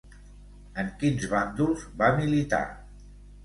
En quins bàndols va militar?